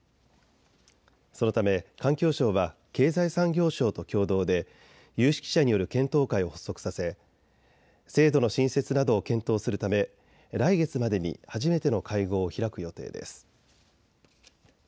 そのため環境省は経済産業省と共同で有識者による検討会を発足させ制度の新設などを検討するため来月までに初めての会合を開く予定です。